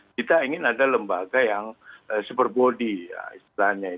kita ingin ada lembaga yang super body